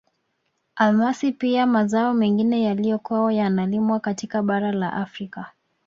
Almasi pia mazao mengine yaliyokuwa yanalimwa katika bara la Afrika